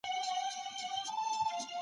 هغه په کمپيوټر کي ويب ډيزاين کوي.